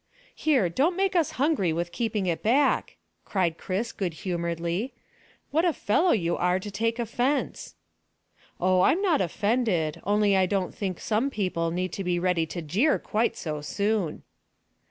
"Here, don't make us hungry with keeping it back," cried Chris good humouredly. "What a fellow you are to take offence." "Oh, I'm not offended, only I don't think some people need be ready to jeer quite so soon."